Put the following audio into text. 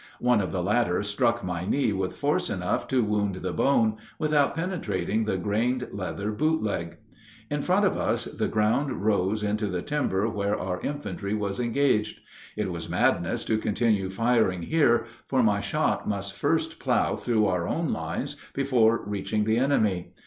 One of the latter struck my knee with force enough to wound the bone without penetrating the grained leather boot leg. In front of us the ground rose into the timber where our infantry was engaged. It was madness to continue firing here, for my shot must first plow through our own lines before reaching the enemy.